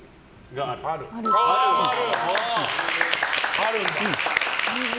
あるんだ。